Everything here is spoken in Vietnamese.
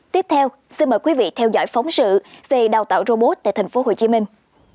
tiếp theo xin mời quý vị theo dõi phóng sự về đào tạo robot tại thành phố hồ chí minh